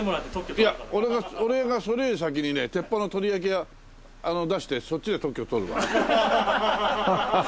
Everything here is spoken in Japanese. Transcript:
いや俺がそれより先にね鉄板の鳥焼き屋出してそっちで特許取るわ。